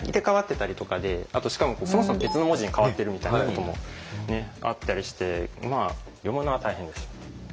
あとしかもそもそも別の文字に変わってるみたいなこともあったりしてまあ読むのは大変です。